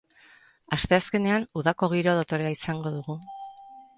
Asteazkenean udako giro dotorea izango dugu.